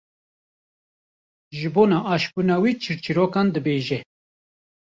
ji bona aşbûna wî çîrçîrokan dibêje.